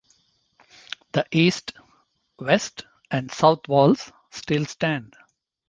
The east, west and south walls still stand.